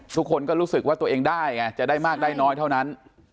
ทุกคนก็รู้สึกว่าตัวเองได้ไงจะได้มากได้น้อยเท่านั้น